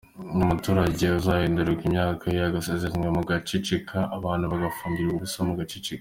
Nta muturage uzarandurirwa imyaka ye, agasenyerwa mugaceceka, abantu bagafungirwa ubusa mugaceceka.